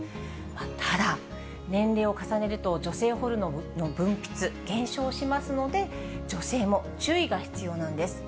ただ、年齢を重ねると、女性ホルモンの分泌、減少しますので、女性も注意が必要なんです。